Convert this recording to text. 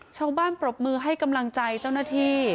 ปรบมือให้กำลังใจเจ้าหน้าที่